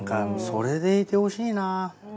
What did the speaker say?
それでいてほしいなぁ。